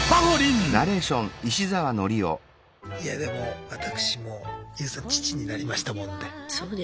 いやでも私もＹＯＵさん父になりましたもんで。